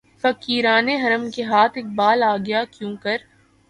فقیران حرم کے ہاتھ اقبالؔ آ گیا کیونکر